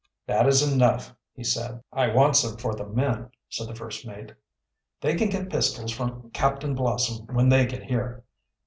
"That is enough," he said. "I want some for the men," said the first mate. "They can get pistols from Captain Blossom when they get here."